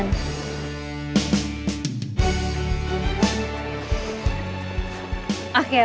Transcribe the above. nama itu apa